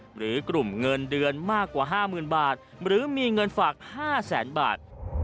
หรือกลุ่มเงินเดือนมากกว่า๕๐๐๐บาทหรือมีเงินฝาก๕แสนบาท